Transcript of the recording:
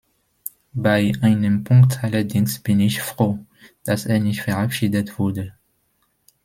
Bei einem Punkt allerdings bin ich froh, dass er nicht verabschiedet wurde.